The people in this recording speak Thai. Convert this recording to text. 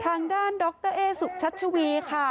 ทางด้านดรเอสุชัชวีค่ะ